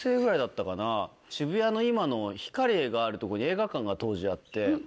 渋谷の今のヒカリエがあるとこに映画館が当時あって。